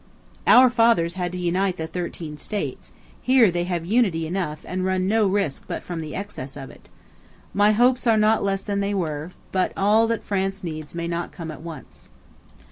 ... "Our fathers had to unite the thirteen States; here they have unity enough and run no risk but from the excess of it. My hopes are not less than they were, but all that France needs may not come at once.